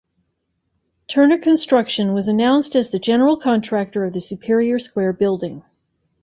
Turner Construction was announced as the general contractor of the Superior Square building.